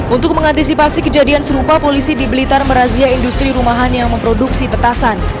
untuk mengantisipasi kejadian serupa polisi di blitar merazia industri rumahan yang memproduksi petasan